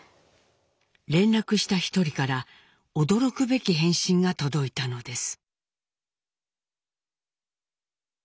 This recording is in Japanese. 連絡した一人から驚くべき返信が届いたのです。